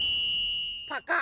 パカッ。